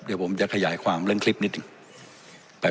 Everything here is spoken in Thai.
เดี๋ยวผมจะขยายความเรื่องคลิปนิดหนึ่ง